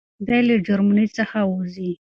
دی له جرمني څخه وځي.